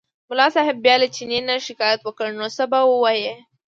ملا صاحب بیا له چیني نه شکایت وکړ نو څه به ووایي.